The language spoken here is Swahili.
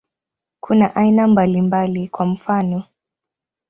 Kuna aina mbalimbali, kwa mfano.